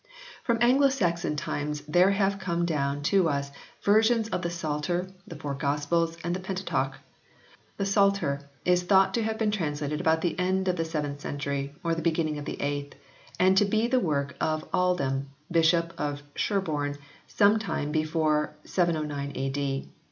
From Anglo Saxon times there have come down to us versions of the Psalter, the Four Gospels and the Pentateuch. The Psalter is thought to have been translated about the end of the seventh century or the beginning of the eighth, and to be the work of Aldhelm, Bishop of Sherborne some time before 709 A.D.